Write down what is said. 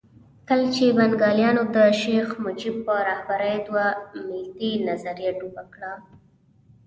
کله چې بنګالیانو د شیخ مجیب په رهبرۍ دوه ملتي نظریه ډوبه کړه.